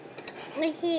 おいしい？